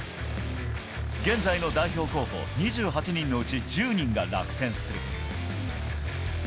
現在の代表候補２８人のうち１０人が落選する。